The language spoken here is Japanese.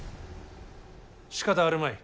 しかたあるまい。